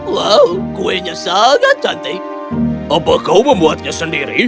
wow kuenya sangat cantik apa kau membuatnya sendiri